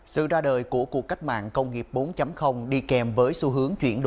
sự ra đời của cuộc cách mạng công nghiệp bốn đi kèm với xu hướng chuyển đổi